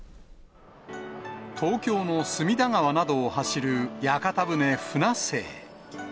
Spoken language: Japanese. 東京の墨田川などを走る屋形船、船清。